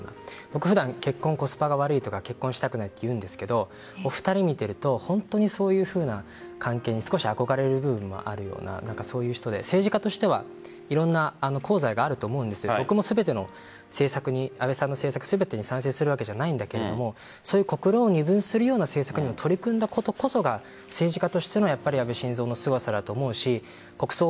僕、普段、結婚はコスパが悪いとか結婚したくないと言うんですがお二人を見ていると本当にそういうふうな関係に少し憧れる部分もあるようなそういう人で政治家としてはいろんな功罪があると思うんですが僕も全ての政策に賛成するわけじゃないんだけどそういう国論を二分するような政策にも取り組んだことこそが政治家としての安倍晋三のすごさだと思うし国葬